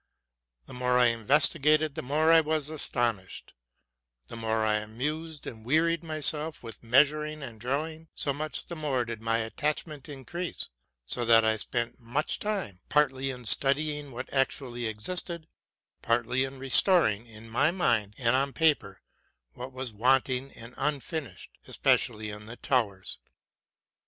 The more I investigated, the more I was aston ished; the more I amused and wearied myself with measur ing and drawing, so much the more did my attachment increase, so that I spent much time, partly in studying what actually existed, partly in restoring, in my mind and on paper, what was wanting and unfinished, especially in the towers.